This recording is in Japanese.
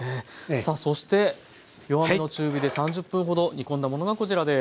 さあそして弱めの中火で３０分ほど煮込んだものがこちらです。